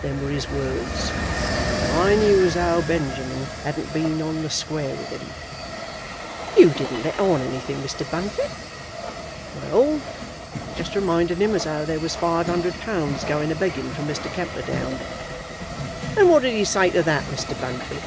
Them were his words, and I knew as how Benjamin hadn't been on the square with him." "You didn't let on anything, Mr. Bunfit?" "Well, I just reminded him as how there was five hundred pounds going a begging from Mr. Camperdown." "And what did he say to that, Mr. Bunfit?"